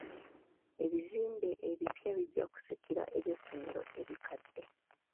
Ebizimbe ebipya bijja kusikira eby'essomero ebikadde.